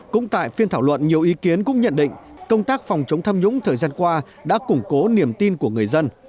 cũng tại phiên thảo luận nhiều ý kiến cũng nhận định công tác phòng chống tham nhũng thời gian qua đã củng cố niềm tin của người dân